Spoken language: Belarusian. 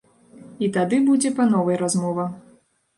І тады будзе па новай размова.